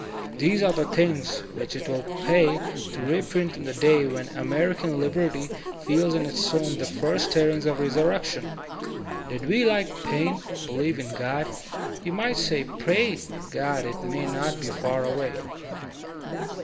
These are the things which it will pay to reprint in the day when American liberty f eeb in its tomb the first stirrings of the resurrection. Did we like Paine believe in God, we might say 'Tray God it may not be far away."